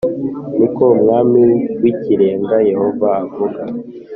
ni ko Umwami w Ikirenga Yehova avuga.